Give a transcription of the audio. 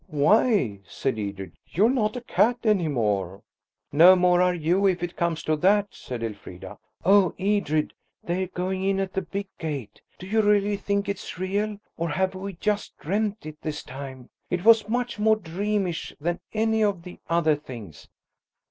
"Why," said Edred, "you're not a cat any more!" "No more are you, if it comes to that," said Elfrida. "Oh, Edred, they're going in at the big gate! Do you really think it's real–or have we just dreamed it–this time? It was much more dreamish than any of the other things."